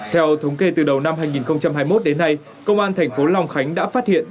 theo thống kê từ đầu năm hai nghìn hai mươi một đến nay công an thành phố long khánh đã phát hiện